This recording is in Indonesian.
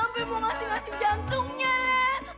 sampai mau ngasih ngasih jantungnya leh